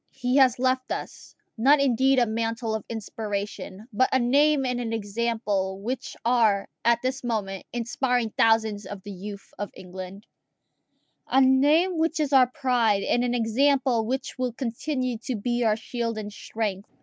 He has left us, not indeed a mantle of inspiration, but a name and an example which are at this moment inspiring thousands of the youth of England a name which is our pride, and an example which will continue to be our shield and strength.